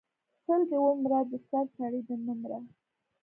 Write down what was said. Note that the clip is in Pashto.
سل دی ومره د سر سړی د مه مره